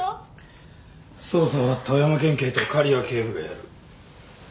捜査は富山県警と狩矢警部がやる。